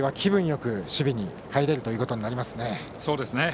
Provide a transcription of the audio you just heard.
よく守備に入れることになりますね。